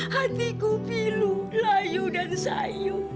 hatiku pilu layu dan sayu